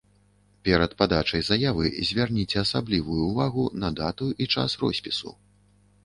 Перад падачай заявы звярніце асаблівую ўвагу на дату і час роспісу.